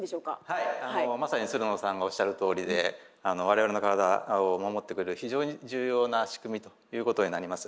はいあのまさにつるのさんがおっしゃるとおりで我々の体を守ってくれる非常に重要な仕組みということになります。